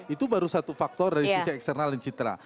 itu baru satu faktor dari sisi eksternal dan citra